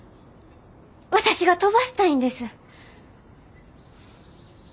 私が飛ばしたいんです。